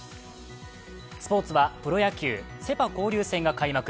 スポ−ツはプロ野球セ・パ交流戦が開幕。